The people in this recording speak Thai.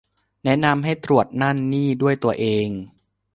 แนะนำให้ตรวจนั่นนี่ด้วยตัวเอง